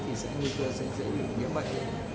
thì sẽ nguy cơ sẽ dễ bị nhiễm bệnh